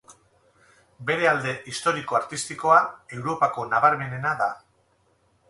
Bere alde historiko-artistikoa Europako nabarmenena da.